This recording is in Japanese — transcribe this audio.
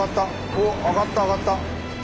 おっ上がった上がった！